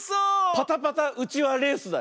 パタパタうちわレースだよ。